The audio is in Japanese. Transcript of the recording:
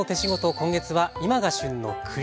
今月は今が旬の栗です。